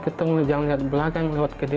jangan lihat belakang